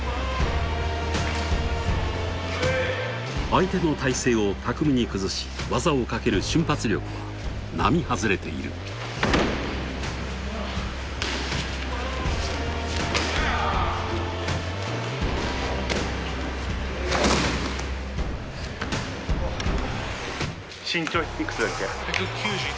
相手の体勢を巧みに崩し技を掛ける瞬発力は並外れている身長いくつだっけ？